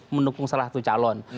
menukung salah satu calon